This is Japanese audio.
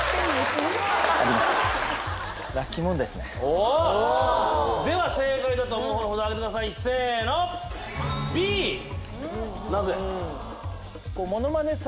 おおおおっ・おおでは正解だと思う方の札あげてくださいせーのＢなぜ？